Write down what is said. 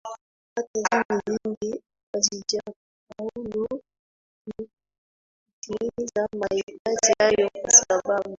Hata dini nyingi hazijafaulu kutimiza mahitaji hayo kwa sababu